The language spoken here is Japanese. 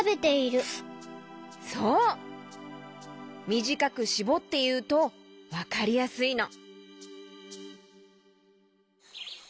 みじかくしぼっていうとわかりやすいの。